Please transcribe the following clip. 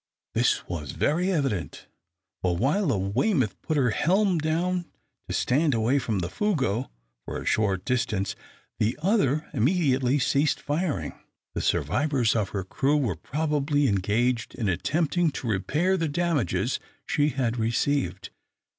This was very evident, for while the "Weymouth" put her helm down, to stand away from the "Fougueux" for a short distance, the other immediately ceased firing. The survivors of her crew were probably engaged in attempting to repair the damages she had received.